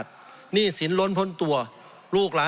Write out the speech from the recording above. สงบจนจะตายหมดแล้วครับ